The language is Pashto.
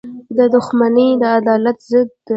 • دښمني د عدالت ضد ده.